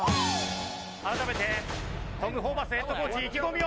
改めてトム・ホーバスヘッドコーチ意気込みを。